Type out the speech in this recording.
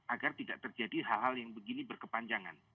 agar tidak terjadi hal hal yang begini berkepanjangan